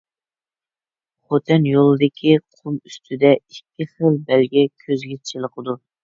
خوتەن يولىدىكى قۇم ئۈستىدە ئىككى خىل بەلگە كۆزگە چېلىقىدۇ.